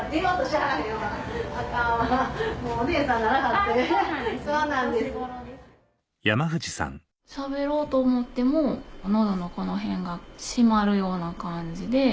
しゃべろうと思っても喉のこの辺が締まるような感じで。